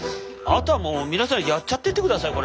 あとはもう皆さんやっちゃってってください